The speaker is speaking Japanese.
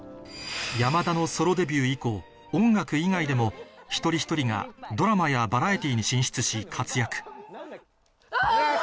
山田のソロデビュー以降音楽以外でも一人一人がドラマやバラエティーに進出し活躍あ！